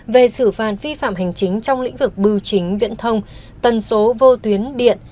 về xử phạt vi phạm hành chính trong lĩnh vực bưu chính viễn thông tần số vô tuyến điện